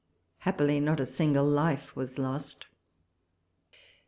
Happily, not a single life was lost.